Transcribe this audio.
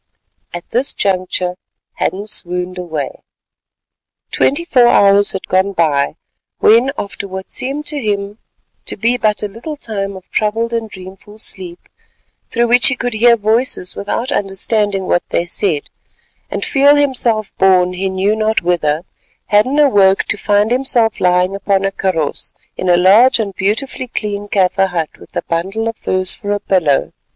At this juncture Hadden swooned away. Twenty four hours had gone by when, after what seemed to him to be but a little time of troubled and dreamful sleep, through which he could hear voices without understanding what they said, and feel himself borne he knew not whither, Hadden awoke to find himself lying upon a kaross in a large and beautifully clean Kaffir hut with a bundle of furs for a pillow.